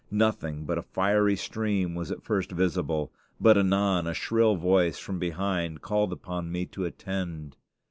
Nothing but a fiery stream was at first visible; but anon a shrill voice from behind called upon me to attend.